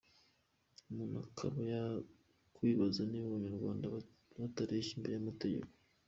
Umuntu akaba yakwibaza niba abanyarwanda batareshya imbere y’amategeko!